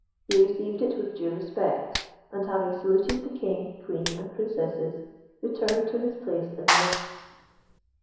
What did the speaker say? He received it with due respect, and having saluted the King, Queen, and Princesses, returned to his place in the lists.